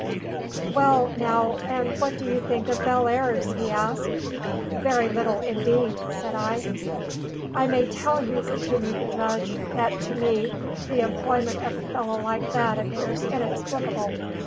"Well now, and what did you think of Bellairs?" he asked. "Very little indeed," said I. "I may tell you," continued the judge, "that to me, the employment of a fellow like that appears inexplicable.